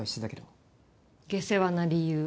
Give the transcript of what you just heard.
下世話な理由。